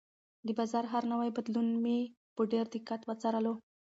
د بازار هر نوی بدلون مې په ډېر دقت وڅارلو.